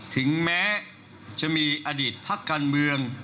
ถึงแม้จะมีอดีตพักการเมือง